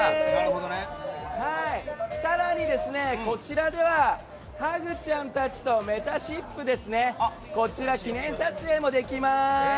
更に、こちらではハグちゃんたち、めたしっぷとこちら、記念撮影もできます！